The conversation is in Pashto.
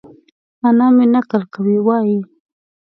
انا مې؛ نکل کوي وايي؛